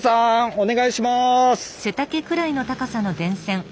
お願いします。